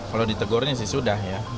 kalau ditegurnya sih sudah ya